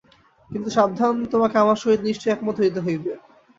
কিন্তু সাবধান, তোমাকে আমার সহিত নিশ্চয়ই একমত হইতে হইবে।